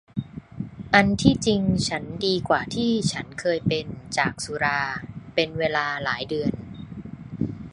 อันที่จริงฉันดีกว่าที่ฉันเคยเป็นจากสุราเป็นเวลาหลายเดือน